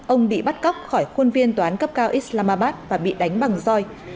ông bị bắt cóc khỏi khuôn viên tòa án cấp cao islamabad và bị đánh bằng roi